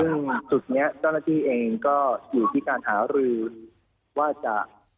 ซึ่งจุดนี้เจ้าหน้าที่เองก็อยู่ที่การหารือว่าจะ